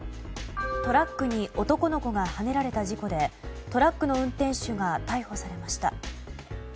トラックに男の子がはねられた事故でトラックの運転手が逮捕されました。